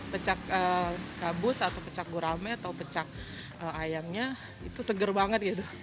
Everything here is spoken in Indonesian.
pecak gabus atau pecak gurame atau pecak ayamnya itu seger banget gitu